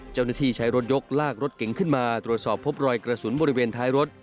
เจ้าหน้าที่ใช้รถยกลากรถเก๋งขึ้นมาตรวจสอบพบรอยกระสุนบริเวณท้ายรถ